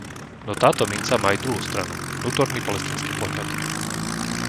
No táto minca má aj druhú stranu, vnútorný palestínsky pohľad.